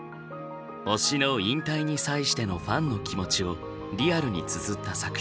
推しの引退に際してのファンの気持ちをリアルにつづった作品。